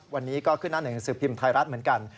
วันนี้ก็ขึ้นหน้าหน่วยงานศึกภิมธ์ไทยรัฐเหมือนกัน